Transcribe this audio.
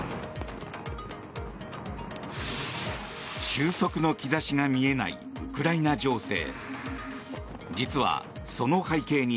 収束の兆しが見えないウクライナ情勢。